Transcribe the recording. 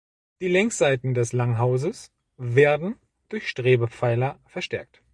Die Längsseiten des Langhauses werden durch Strebepfeiler verstärkt.